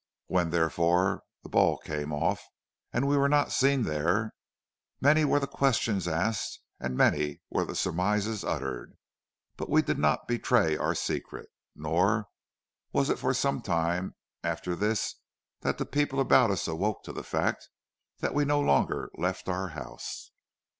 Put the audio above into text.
When, therefore, the ball came off and we were not seen there, many were the questions asked, and many were the surmises uttered, but we did not betray our secret, nor was it for some time after this that the people about us awoke to the fact that we no longer left our home.